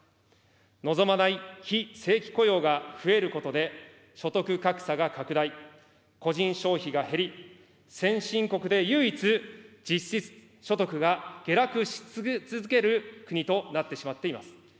望まない非正規雇用が増えることで、所得格差が拡大、個人消費が減り、先進国で唯一実質所得が下落し続ける国となってしまっています。